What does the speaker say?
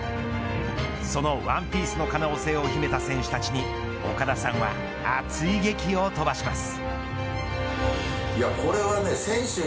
そのワンピースの可能性を秘めた選手たちに岡田さんは熱いゲキを飛ばします。